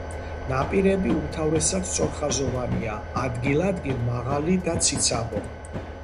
ნაპირები უმთავრესად სწორხაზოვანია, ადგილ-ადგილ მაღალი და ციცაბო.